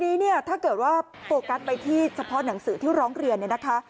ทีนี้ถ้าเกิดว่าโปรกัสไปที่สะพอด์หนังสือที่ร้องเรียน